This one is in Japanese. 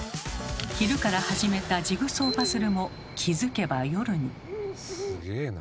昼から始めたジグソーパズルも気付けば夜に。